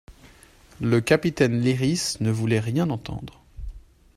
Le capitaine Lyrisse ne voulait rien entendre.